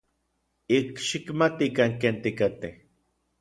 Ik xikmatikan ken tikatej.